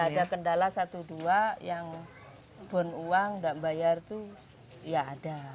ada kendala satu dua yang doang uang gak bayar itu ya ada